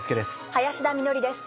林田美学です。